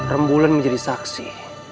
rembulan menjadi saksi